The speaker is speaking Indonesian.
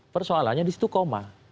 persoalannya disitu koma